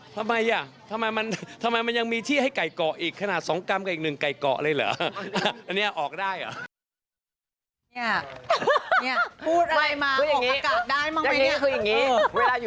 เพราะจริงสนิทกันอยู่แล้วครับครับ